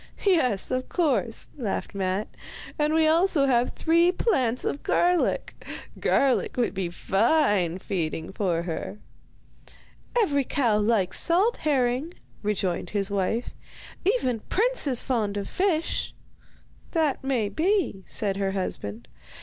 'Yes, of course,' laughed Matte, 'and we have also three plants of garlic. Garlic would be fine feeding for her.' 'Every cow likes salt herring,' rejoined his wife. 'Even Prince is fond of fish.' 'That may be,' said her husband.